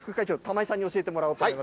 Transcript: その魅力を副会長、玉井さんに教えてもらおうと思います。